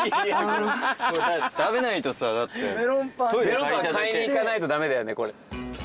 メロンパン買いに行かないとダメだよね。